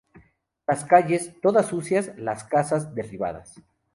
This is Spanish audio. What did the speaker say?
Las calles, todas sucias; las casas, derribadas.